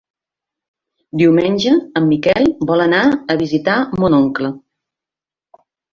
Diumenge en Miquel vol anar a visitar mon oncle.